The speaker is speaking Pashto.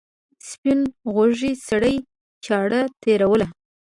سپین غوږي سړي چاړه تېروله.